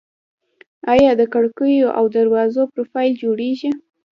آیا د کړکیو او دروازو پروفیل جوړیږي؟